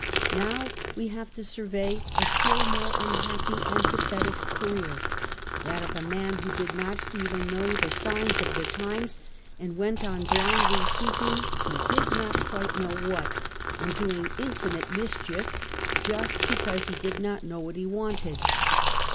Now we have to survey a still more unhappy and pathetic career, that of a man who did not even know the signs of the times, and went on blindly seeking he did not (juite know what, and doing infinite mischief just because he did not know what he wanted.